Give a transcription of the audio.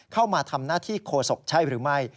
เข้ามาทำหน้าที่โคศกใช่หรือไม่